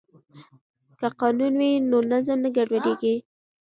که قانون وي نو نظم نه ګډوډیږي.